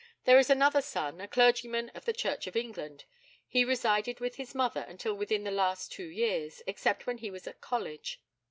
There is another son, a clergyman of the Church of England. He resided with his mother until within the last two years, except when he was at college.